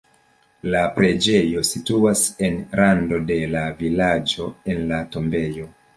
La preĝejo situas en rando de la vilaĝo en la tombejo.